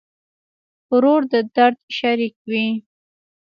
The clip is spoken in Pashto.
ورور د درد شریک وي.